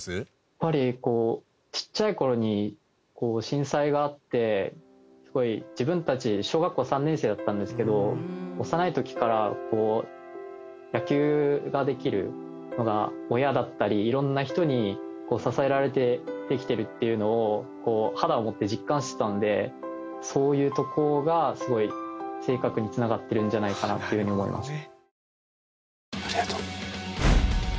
やっぱりちっちゃい頃に震災があって自分たち小学校３年生だったんですけど幼い時からこう野球ができるのが親だったり色んな人に支えられてできてるっていうのを肌を持って実感してたのでそういうとこがすごい性格に繋がってるんじゃないかなっていうふうに思います。